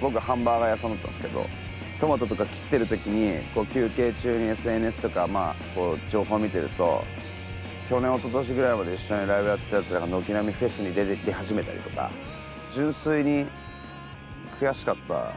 僕ハンバーガー屋さんだったんですけどトマトとか切ってる時に休憩中にＳＮＳとか情報見てると去年おととしぐらいまで一緒にライブやってたやつらが軒並みフェスに出ていき始めたりとか純粋に悔しかった。